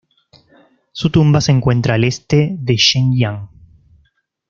Su tumba se encuentra al este de Shenyang.